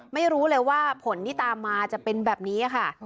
ไม่รู้เลยว่าผลที่ตามมาจะเป็นแบบนี้ค่ะ